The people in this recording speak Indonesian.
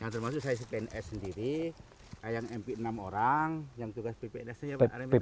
yang termasuk saya pns sendiri yang mp enam orang yang tugas ppnsnya pak arief itu